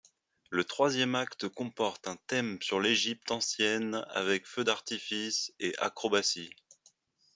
Le troisième acte comporte un thème sur l'Égypte ancienne avec feux d'artifice et acrobaties.